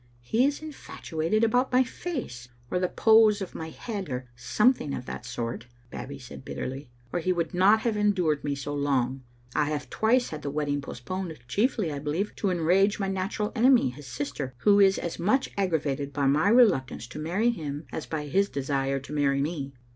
" He is infatuated about my face, or the pose of my head, or something of that sort," Babbie said bitterly, "or he would not have endured me so long. I have twice had the wedding postponed, chiefly, I believe, to enrage my natural enemy, his sister, who is as much ag gravated by my reluctance to marry him as by his desire to marry me.